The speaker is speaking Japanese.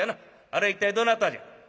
あれ一体どなたじゃ？」。